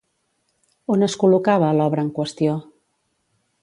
On es col·locava, l'obra en qüestió?